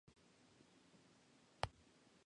Mueller forma parte del grupo asteroidal de Hungaria.